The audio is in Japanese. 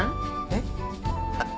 えっ？